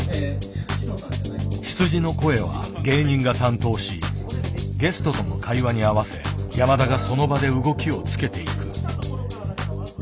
羊の声は芸人が担当しゲストとの会話に合わせ山田がその場で動きをつけていく。